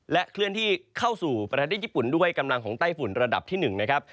เคลื่อนที่เข้าสู่ประเทศญี่ปุ่นด้วยกำลังของไต้ฝุ่นระดับที่๑นะครับ